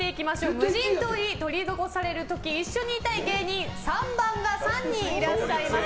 無人島に取り残される時一緒にいたい芸人３番が３人いらっしゃいます。